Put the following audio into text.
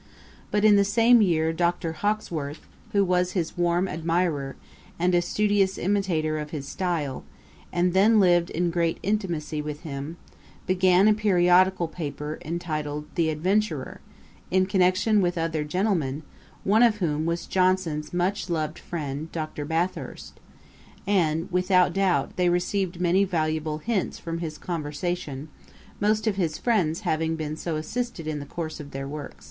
But, in the same year, Dr. Hawkesworth, who was his warm admirer, and a studious imitator of his style, and then lived in great intimacy with him, began a periodical paper, entitled The Adventurer, in connection with other gentlemen, one of whom was Johnson's much loved friend, Dr. Bathurst; and, without doubt, they received many valuable hints from his conversation, most of his friends having been so assisted in the course of their works.